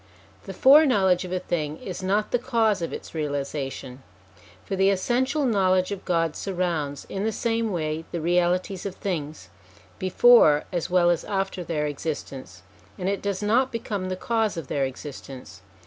The fore knowledge of a thing is not the cause of its realisation ; for the essential knowledge of God surrounds, in the same way, the realities of things, before as well as after their existence, and it does not become the cause of their existence.